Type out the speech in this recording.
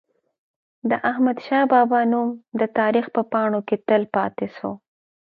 د احمد شاه بابا نوم د تاریخ په پاڼو کي تل پاتي سو.